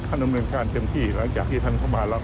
ดำเนินการเต็มที่หลังจากที่ท่านเข้ามารับ